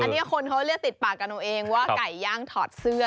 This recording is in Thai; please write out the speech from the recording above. อันนี้คนเขาเรียกติดปากกันเอาเองว่าไก่ย่างถอดเสื้อ